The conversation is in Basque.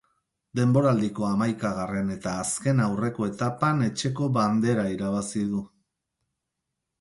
Denboraldiko hamaikagarren eta azken aurreko etapan etxeko bandera irabazi du.